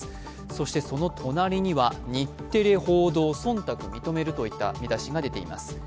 そしてその隣には「日テレ報道忖度認める」といった見出しが出ています。